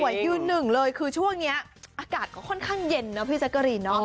ยืนหนึ่งเลยคือช่วงนี้อากาศก็ค่อนข้างเย็นนะพี่แจ๊กกะรีนเนอะ